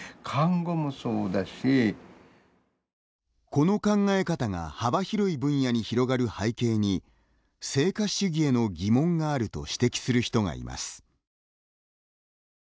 この考え方が幅広い分野に広がる背景に成果主義への疑問があると指摘する人がいます。